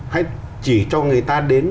hãy chỉ cho người ta đến